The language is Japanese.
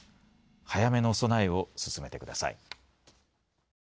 早めの備えを進めてください。